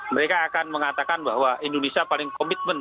mereka akan mengatakan bahwa indonesia paling komitmen